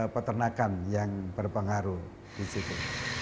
peternakan yang berpengaruh di situ